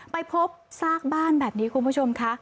ไปพบซากบ้านแบบนี้คุณผู้ชมค่ะ